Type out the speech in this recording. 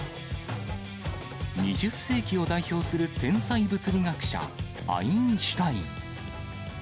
２０世紀を代表する天才物理学者、アインシュタイン。